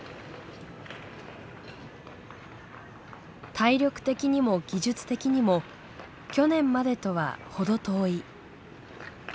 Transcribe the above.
体力的にも技術的にも去年までとは程遠い。